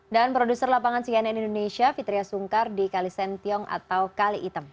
dan produser lapangan cnn indonesia fitria sungkar di kali sentiong atau kali item